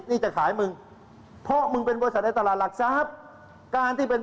นี่จะขายมึงเพราะมึงเป็นบริษัทในตลาดหลักทรัพย์การที่เป็น